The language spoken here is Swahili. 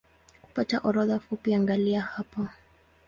Kupata orodha fupi angalia hapa